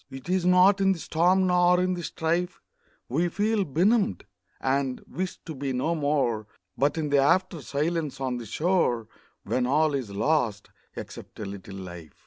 It is not in the storm nor in the strife We feel benumbed, and wish to be no more, But in the after silence on the shore, When all is lost, except a little life.